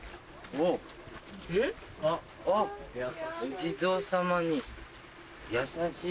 お地蔵様に優しい。